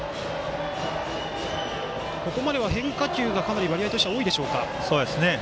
ここまでは変化球がかなり割合としては多いでしょうか？